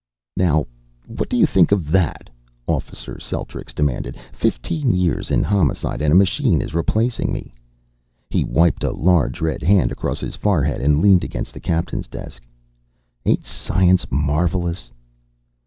"Now what do you think of that?" Officer Celtrics demanded. "Fifteen years in Homicide and a machine is replacing me." He wiped a large red hand across his forehead and leaned against the captain's desk. "Ain't science marvelous?"